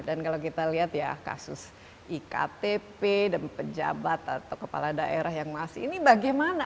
kalau kita lihat ya kasus iktp dan pejabat atau kepala daerah yang masih ini bagaimana